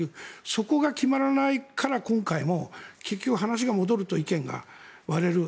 そこが決まらないから今回も結局、話が戻ると意見が割れる。